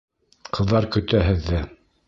Ҡыҙҙар көтә һеҙҙе!